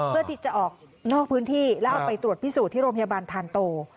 เพื่อที่จะออกนอกพื้นที่แล้วเอาไปตรวจพิสูจน์ที่โรงพยาบาลทานโต